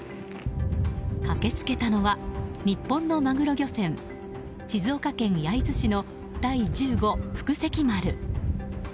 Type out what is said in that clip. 駆けつけたのは日本のマグロ漁船静岡県焼津市の「第１５福積丸」。